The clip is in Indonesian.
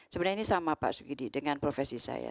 sebenarnya ini sama pak sugidi dengan profesi saya